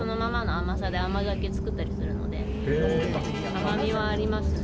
甘みはありますね。